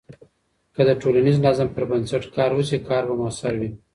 که د ټولنیز نظم پر بنسټ کار وسي، کار به مؤثر وي.